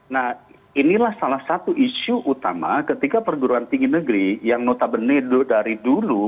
nah inilah salah satu isu utama ketika perguruan tinggi negeri yang notabene dulu dari dulu